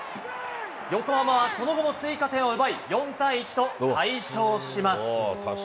横浜はその後も追加点を奪い、４対１と大勝します。